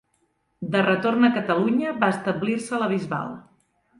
De retorn a Catalunya va establir-se a la Bisbal.